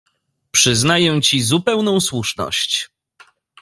"Przyznaję ci zupełną słuszność."